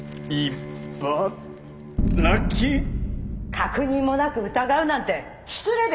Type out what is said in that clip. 確認もなく疑うなんて失礼ですよ！